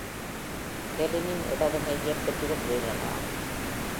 ஹெலினின் இடது கையைப் பெற்றிருக்கிறீர்களா?